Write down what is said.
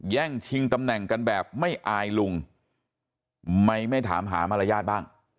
ชิงตำแหน่งกันแบบไม่อายลุงไม่ถามหามารยาทบ้าง